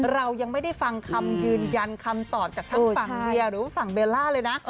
เรายังไม่ได้ฟังคำยืนยันคำตอบจากทางฝั่งเมียหรือว่าฝั่งเบลล่าเลยนะ